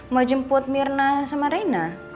mau jemput mirna sama reina